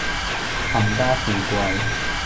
冚家富貴